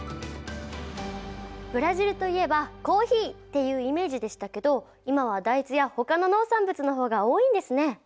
ブラジルといえばコーヒーっていうイメージでしたけど今は大豆やほかの農産物のほうが多いんですね。